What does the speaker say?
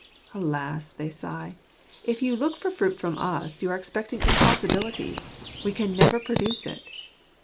"Alas!" they sigh, "if you look for fruit from us, you are expecting impossibilities : we can never produce it."